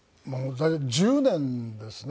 大体１０年ですね。